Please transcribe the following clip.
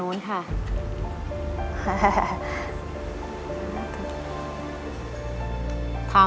ไม่ใช้ค่ะ